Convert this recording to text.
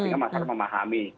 sehingga masyarakat memahami